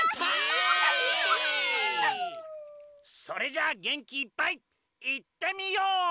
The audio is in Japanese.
それじゃあげんきいっぱいいってみよう！